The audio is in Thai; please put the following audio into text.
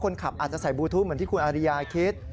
คนขับอาจจะใส่บลูทูปเหมือนที่คุณอาริยาคิด